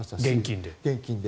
現金で。